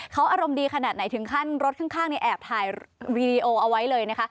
เขาอารมณ์ดีขนาดไหนถึงขั้นรถข้างแอบถ่ายวีดีโอเอาไว้เลยนะคะ